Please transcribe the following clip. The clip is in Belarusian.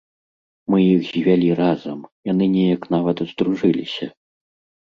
Мы іх звялі разам, яны неяк нават здружыліся.